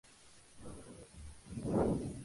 Es el primer juego de la saga "Wave Race".